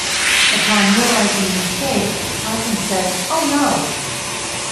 Upon realising the mistake Fossum said: Oh no!